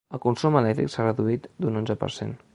El consum elèctric s’ha reduït d’un onze per cent.